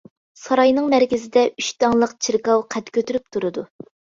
ساراينىڭ مەركىزىدە ئۈچ داڭلىق چېركاۋ قەد كۆتۈرۈپ تۇرىدۇ.